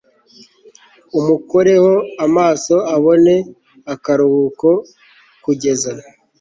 Umukureho amaso abone akaruhuko Kugeza